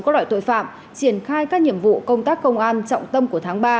các loại tội phạm triển khai các nhiệm vụ công tác công an trọng tâm của tháng ba